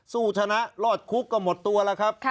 สู้ชนะรอดคุกก็หมดตัวแล้วครับ